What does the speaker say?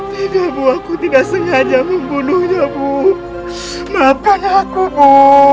tidak bu aku tidak sengaja membunuhnya bu maafkan aku bu